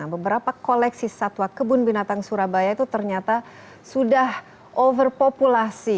beberapa koleksi satwa kebun binatang surabaya itu ternyata sudah overpopulasi